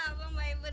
abang main bener